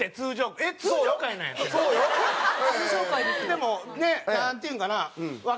でもねなんていうんかなわかる。